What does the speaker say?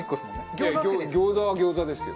いや餃子は餃子ですよ。